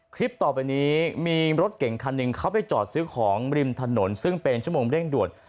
คลิปต่อไปนี้มีรถเก่งคันหนึ่งเขาไปจอดซื้อของริมถนนซึ่งเป็นชั่วโมงเร่งด่วน